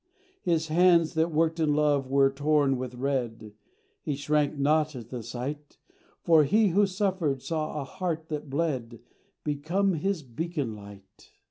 His hands that worked in love were torn with red, He shrank not at the sight, For he who suffered saw a Heart that bled Become his beacon light.